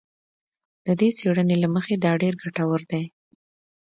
د دې څېړنې له مخې دا ډېر ګټور دی